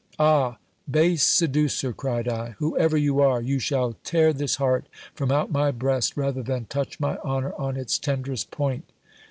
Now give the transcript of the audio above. Ah ! base seducer, cried I, whoever you are, you shall tear this heart from out my breast, rather than touch my honour on its tenderest point.